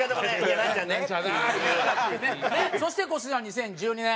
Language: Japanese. そしてこちら２０１２年。